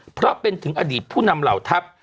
เพราะเป็นถึงอดีตผู้นำเหล่าทัพ